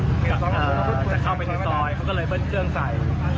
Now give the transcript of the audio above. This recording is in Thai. น่าจะประมาณ๓นักแล้วก็มีนักสุดท้าย